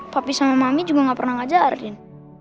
papi sama mami juga gak pernah ngajarin